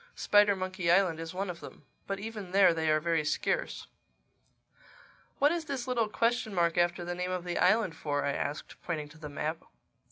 Spidermonkey Island is one of them. But even there they are very scarce." "What is this little question mark after the name of the island for?" I asked, pointing to the map.